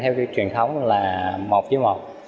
theo truyền thống là một với một